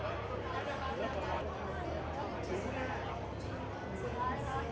และต้องแรกพื้นทาง